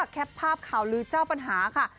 แคปภาพข่าวลือเจ้าปัญหาค่ะ